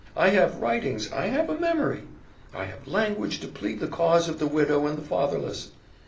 I have writings, I have a memory, I have language to plead the cause of the widow and the fatherless.